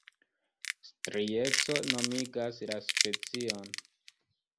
Strieco nomigas la specion.